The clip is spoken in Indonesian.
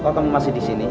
kok kamu masih di sini